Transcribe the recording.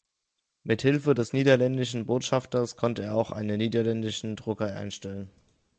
Mit Hilfe des niederländischen Botschafters konnte er auch einen niederländischen Drucker einstellen.